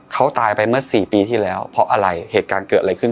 เขาตายไปเมื่อสี่ปีที่แล้วเพราะอะไรเหตุการณ์เกิดอะไรขึ้น